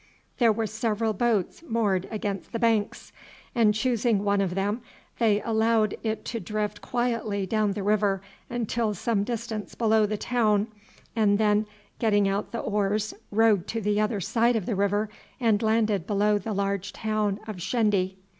There were several boats moored against the banks, and choosing one of them they allowed it to drift quietly down the river until some distance below the town, and then getting out the oars rowed to the other side of the river and landed below the large town of Shendy.